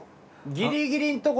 ギリギリのとこ